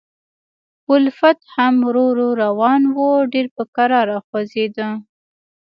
او لفټ هم ورو ورو روان و، ډېر په کراره خوځېده.